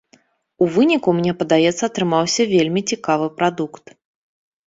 У выніку, мне падаецца, атрымаўся вельмі цікавы прадукт.